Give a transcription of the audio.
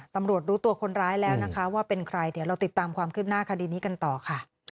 รู้ตัวคนร้ายแล้วนะคะว่าเป็นใครเดี๋ยวเราติดตามความคืบหน้าคดีนี้กันต่อค่ะ